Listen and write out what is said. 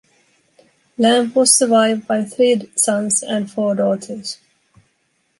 Lamb was survived by three sons and four daughters.